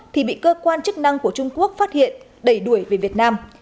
thì bị cơ quan chức năng của trung quốc phát hiện đẩy đuổi về việt nam